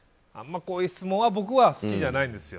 こういう質問は僕は好きじゃないですよ。